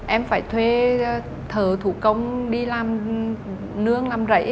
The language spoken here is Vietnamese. em phải thuê thờ thủ công đi làm nương làm rẫy